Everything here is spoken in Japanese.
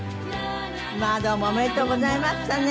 まあどうもおめでとうございましたね。